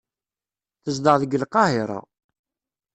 Tezdeɣ deg Lqahira.